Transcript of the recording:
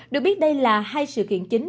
được biết đây là hai sự kiện chính